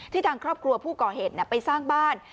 ทางครอบครัวผู้ก่อเหตุไปสร้างบ้าน